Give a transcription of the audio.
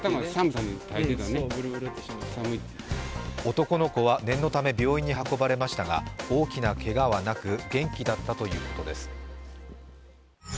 男の子は念のため病院に運ばれましたが、大きなけがはなく、元気だったということです。